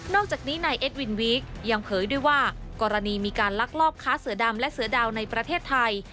อกจากนี้นายเอ็ดวินวีคยังเผยด้วยว่ากรณีมีการลักลอบค้าเสือดำและเสือดาวในประเทศไทย